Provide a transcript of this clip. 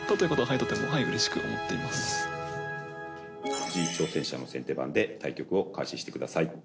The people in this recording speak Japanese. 藤井挑戦者の先手番で対局を開始してください。